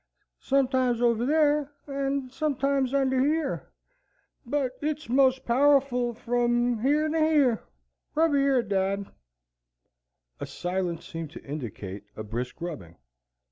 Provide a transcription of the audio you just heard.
"Sometimes over yar and sometimes under yer; but it's most powerful from yer to yer. Rub yer, dad." A silence seemed to indicate a brisk rubbing.